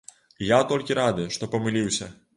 І я толькі рады, што памыліўся.